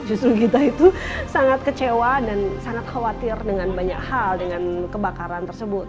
justru kita itu sangat kecewa dan sangat khawatir dengan banyak hal dengan kebakaran tersebut